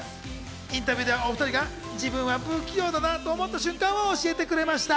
インタビューでは、お２人が自分は不器用だなと思った瞬間を教えてくれました。